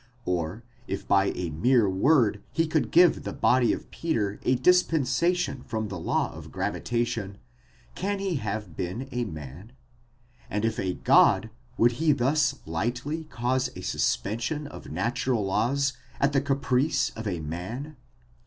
or if by a mere word he could give the body of Peter a dispensation from the law of gravita tion, can he have been a man? and if a God, would he thus lightly cause a suspension of natural laws at the caprice of a man?